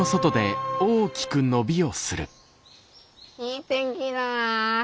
いい天気だなあ。